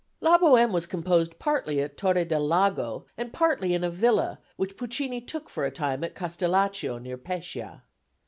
La Bohème was composed partly at Torre del Lago and partly in a villa which Puccini took for a time at Castellaccio, near Pescia.